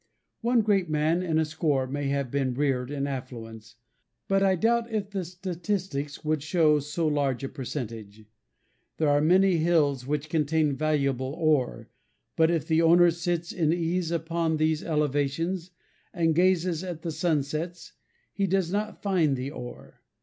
One great man in a score may have been reared in affluence, but I doubt if the statistics would show so large a percentage. There are many hills which contain valuable ore, but if the owner sits in ease upon these elevations, and gazes at the sunsets, he does not find the ore.